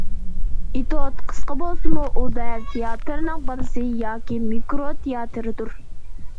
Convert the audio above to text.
ئېتۇت قىسقا بولسىمۇ، ئۇ دەل تىياتىرنىڭ‹‹ بالىسى›› ياكى مىكرو تىياتىردۇر.